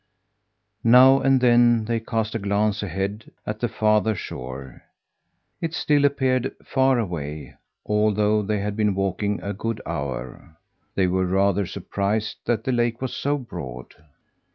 Now and then they cast a glance ahead at the farther shore. It still appeared far away, although they had been walking a good hour. They were rather surprised that the lake was so broad.